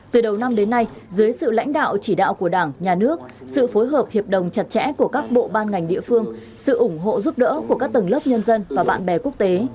từ đầu năm đến nay dưới sự lãnh đạo chỉ đạo của đảng nhà nước sự phối hợp hiệp đồng chặt chẽ của các bộ ban ngành địa phương sự ủng hộ giúp đỡ của các tầng lớp nhân dân và bạn bè quốc tế